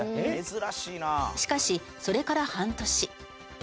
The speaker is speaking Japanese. しかしそれから半年。